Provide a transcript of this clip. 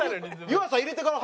湯浅入れてから。